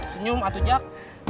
senyum atau jak